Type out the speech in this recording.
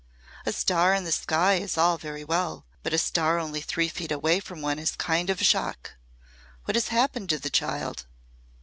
A star in the sky is all very well but a star only three feet away from one is a kind of shock. What has happened to the child?"